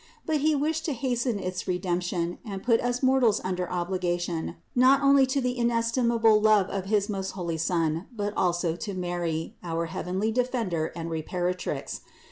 But He wished to hasten its Redemp tion and put us mortals under obligation not only to the inestimable love of his most holy Son, but also to Mary, our heavenly Defender and Reparatrix.